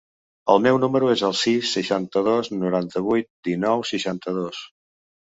El meu número es el sis, seixanta-dos, noranta-vuit, dinou, seixanta-dos.